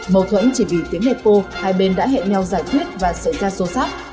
mâu thuẫn chỉ vì tiếng nệt cô hai bên đã hẹn nhau giải thuyết và xảy ra sâu sắc